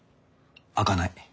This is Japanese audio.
開かない。